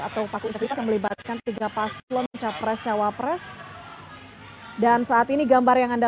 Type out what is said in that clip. atau paku integritas yang melibatkan tiga paslon capres cawapres dan saat ini gambar yang anda